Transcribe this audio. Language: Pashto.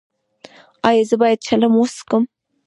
ایا زه باید چلم وڅکوم؟